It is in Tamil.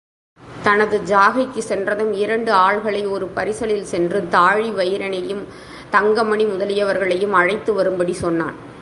தனது ஜாகைக்குச் சென்றதும் இரண்டு ஆள்களை ஒரு பரிசலில் சென்று தாழிவயிறனையும் தங்கமணி முதலியவர்களையும் அழைத்து வரும்படி சொன்னான்.